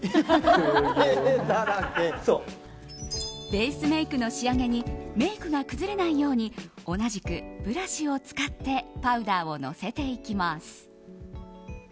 ベースメイクの仕上げにメイクが崩れないように同じくブラシを使ってパウダーをのせていきます。